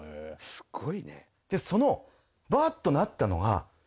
「すごいね」